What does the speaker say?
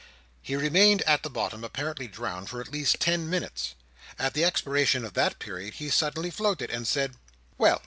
He remained at the bottom, apparently drowned, for at least ten minutes. At the expiration of that period, he suddenly floated, and said, "Well!